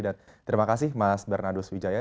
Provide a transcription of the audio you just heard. dan terima kasih mas bernardo swijaya